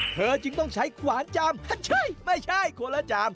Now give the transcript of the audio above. เธอจึงต้องใช้ขวานจามใช่ไม่ใช่คนละจาม